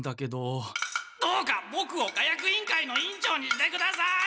どうかボクを火薬委員会の委員長にしてください！